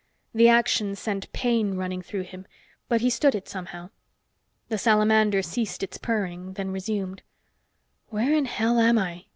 The action sent pain running through him, but he stood it somehow. The salamander ceased its purring, then resumed. "Where in hell am I?"